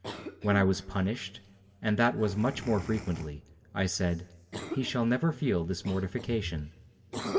When I was punished, and that was much more frequently, I said, 'He shall never feel this mortification.'